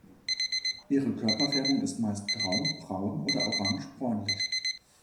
Ihre Körperfärbung ist meist grau, braun oder orange-bräunlich.